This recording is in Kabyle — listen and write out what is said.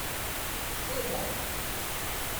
Ẓẓiḍer.